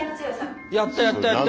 やったやったやった！